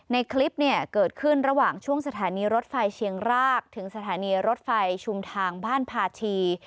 ในคลิปเนี่ยเกิดขึ้นระหว่างช่วงสถานีรถไฟเชียงรากถึงสถานีรถไฟชุมทางบ้านพาชี